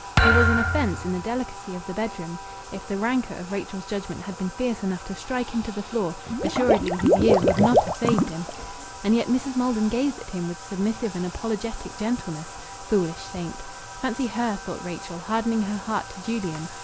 He was an offence in the delicacy of the bedroom. If the rancour of Rachel's judgment had been fierce enough to strike him to the floor, assuredly his years would not have saved him! And yet Mrs. Maldon gazed at him with submissive and apologetic gentleness! Foolish saint! Fancy her (thought Rachel) hardening her heart to Julian!